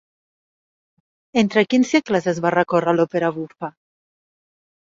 Entre quins segles va recórrer l'òpera bufa?